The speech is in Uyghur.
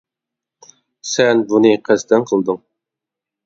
- سەن بۇنى قەستەن قىلدىڭ!